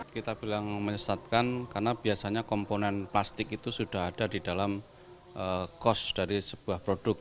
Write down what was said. kita bilang menyesatkan karena biasanya komponen plastik itu sudah ada di dalam cost dari sebuah produk